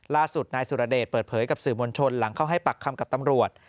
ล่าสุดนายสุรเดชเปิดเผยกับสื่อมวลชนหลังเข้าให้ปากคำกับตำรวจ